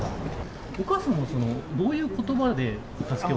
お母さんはどういうことばで助けを。